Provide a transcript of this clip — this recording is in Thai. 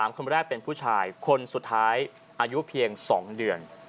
คนแรกเป็นผู้ชายคนสุดท้ายอายุเพียง๒เดือน